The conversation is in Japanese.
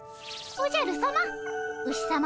おじゃるさま。